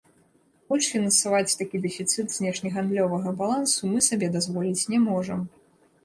Больш фінансаваць такі дэфіцыт знешнегандлёвага балансу мы сабе дазволіць не можам.